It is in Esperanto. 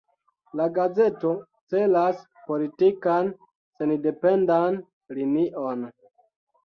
La gazeto celas politikan sendependan linion.